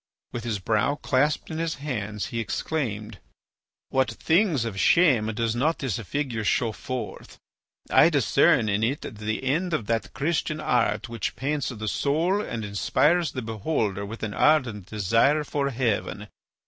With his brow clasped in his hands he exclaimed: "What things of shame does not this figure show forth! I discern in it the end of that Christian art which paints the soul and inspires the beholder with an ardent desire for heaven.